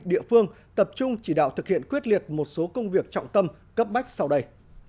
địa phương tập trung chỉ đạo thực hiện quyết liệt một số công việc trọng tâm cấp bách sau đây